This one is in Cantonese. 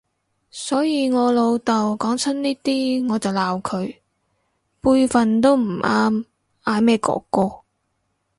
所以我老豆講親呢啲我就鬧佢，輩份都唔啱嗌咩哥哥